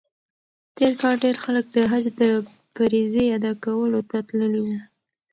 تېر کال ډېر خلک د حج د فریضې ادا کولو ته تللي وو.